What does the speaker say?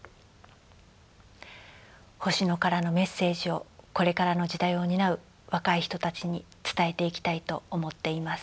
星野からのメッセージをこれからの時代を担う若い人たちに伝えていきたいと思っています。